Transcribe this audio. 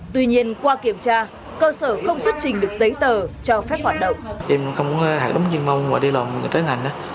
tuy nhiên qua kiểm tra cơ sở không xuất trình được giấy tờ cho phép hoạt động